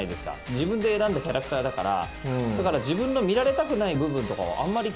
自分で選んだキャラクターだから。